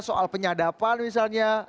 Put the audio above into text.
soal penyadapan misalnya